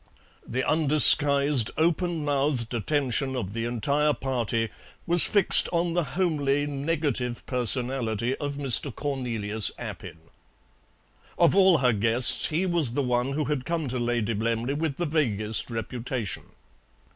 The undisguised openmouthed attention of the entire party was fixed on the homely negative personality of Mr. Cornelius Appin. Of all her guests, he was the one who had come to Lady Blemley with the vaguest reputation.